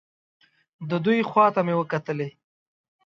د دوی خوا ته مې وکتلې.